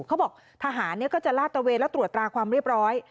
เขาบอกทหารก็จะลาดตะเวนและตรวจตราความเรียบร้อย